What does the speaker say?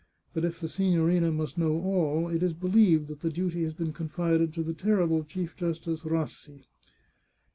But if the signorina must know all, it is believed that the duty has been confided to the terrible Chief Justice Rassi